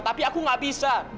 tapi aku gak bisa